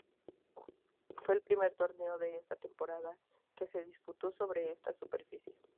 Fue el primer torneo de esta temporada que se disputó sobre esta superficie.